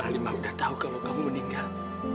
apa alimah udah tahu kalau kamu meninggal